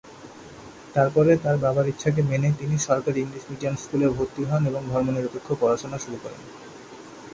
তারপরে, তার বাবার ইচ্ছাকে মেনে তিনি সরকারী ইংলিশ মিডিয়াম স্কুলে ভর্তি হন এবং ধর্মনিরপেক্ষ পড়াশোনা শুরু করেন।